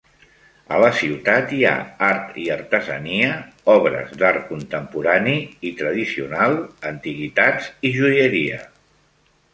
A la ciutat hi ha art i artesania, obres d'art contemporani i tradicional, antiguitats i joieria.